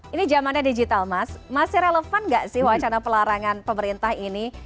ini zamannya digital mas masih relevan nggak sih wacana pelarangan pemerintah ini